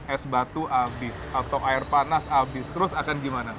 es batu habis atau air panas habis terus akan gimana